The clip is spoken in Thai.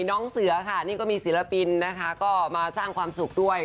นั่งเสื้อค่ะนี่ก็มีศิลปินมาสร้างความสุขด้วย